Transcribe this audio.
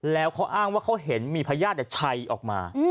แล้วเขาอ้างว่าเขาเห็นมีพญาติชัยออกมา